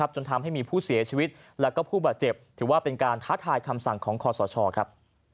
จนทำให้มีผู้เสียชีวิตและผู้บาดเจ็บถือว่าเป็นการท้าทายคำสั่งของคอสชครับ